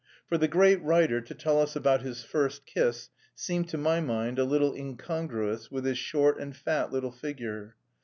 For the great writer to tell us about his first kiss seemed to my mind a little incongruous with his short and fat little figure...